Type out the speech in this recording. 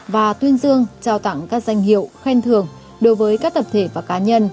và tuyên dương trao tặng các danh hiệu khen thưởng đối với các tập thể và cá nhân